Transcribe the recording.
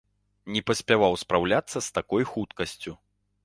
Не паспяваў спраўляцца з такой хуткасцю.